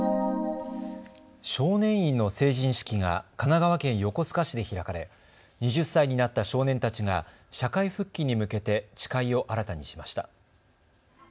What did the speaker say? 少年院の成人式が神奈川県横須賀市で開かれ２０歳になった少年たちが社会復帰に向けて誓いを新たにしました。